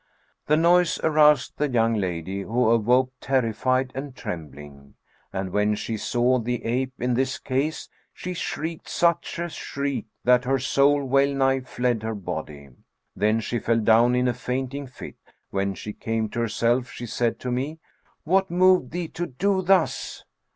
The noise aroused the young lady, who awoke terrified and trembling; and, when she saw the ape in this case, she shrieked such a shriek that her soul well nigh fled her body. Then she fell down in a fainting fit and when she came to herself, she said to me, 'What moved thee to do thus?